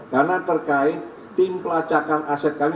karena terkait tim pelacakan aset kami